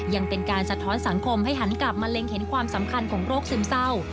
ยังเป็นการสะท้อนสังคมให้หันกลับมาเล็งเห็นความสำคัญของโรคซึมเศร้า